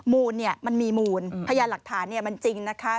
มูลมันมีมูลพยานหลักฐานมันจริงนะคะ